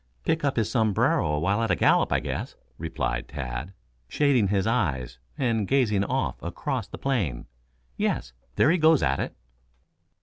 "Pick up his sombrero while at a gallop, I guess," replied Tad, shading his eyes and gazing off across the plain. "Yes, there he goes at it."